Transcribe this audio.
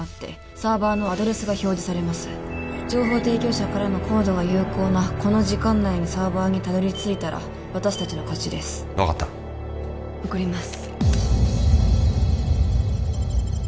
サーバーのアドレスが表示されます情報提供者からのコードが有効なこの時間内にサーバーにたどりついたら私達の勝ちです分かった送ります